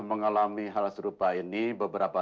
mengalami hal serupa ini beberapa